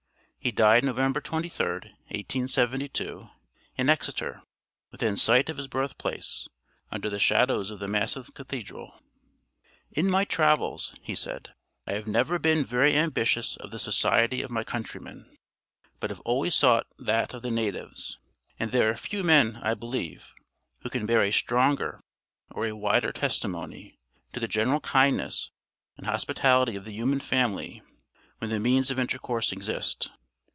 He died November 23d, 1872, in Exeter, within sight of his birthplace under the shadows of the massive cathedral. "In my travels," he said, "I have never been very ambitious of the society of my countrymen, but have always sought that of the natives; and there are few men, I believe, who can bear a stronger or a wider testimony to the general kindness and hospitality of the human family when the means of intercourse exist.